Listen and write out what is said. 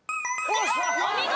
お見事。